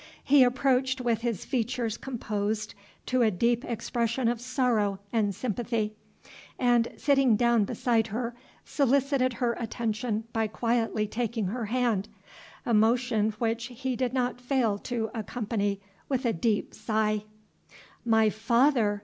He approached with his features composed to a deep expression of sorrow and sympathy, and, sitting down beside her, solicited her attention by quietly taking her hand, a motion which he did not fail to accompany with a deep sigh. "My father!"